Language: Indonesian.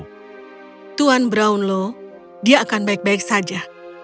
tuan brownlow dia akan baik baik saja